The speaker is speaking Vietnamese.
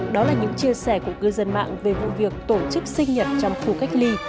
đó là những chia sẻ của cư dân mạng về vụ việc tổ chức sinh nhật trong khu cách ly